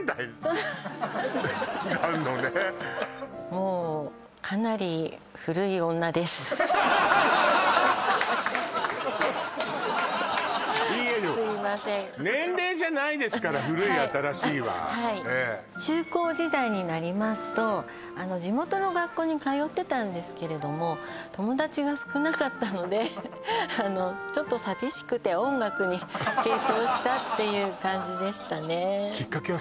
なんのねもういいえでもすいません古い新しいはええはいはい中高時代になりますと地元の学校に通ってたんですけれども友達が少なかったのでちょっと寂しくて音楽に傾倒したっていう感じでしたね